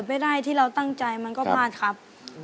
สองทีหยุดครับ